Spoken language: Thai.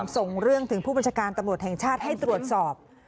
ส่งเรื่องถึงผู้บัญชาการตำรวจแห่งชาติให้ตรวจสอบ